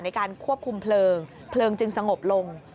ในการควบคุมเพลิงเพลิงจึงสงบลง